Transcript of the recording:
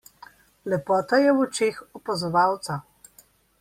Lepota je v očeh opazovalca.